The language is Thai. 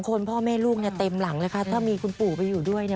คนพ่อแม่ลูกเต็มหลังเลยค่ะถ้ามีคุณปู่ไปอยู่ด้วย